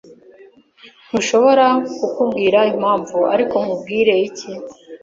Ntushobora kukubwira impamvu ariko nkubwire iki